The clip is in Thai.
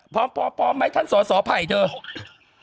พร้อมพร้อมมั้ยท่านสอสอภัยเถอะ